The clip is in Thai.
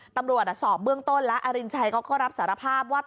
ตำรวจสอบเบื้องต้นแล้วอรินชัยเขาก็รับสารภาพว่า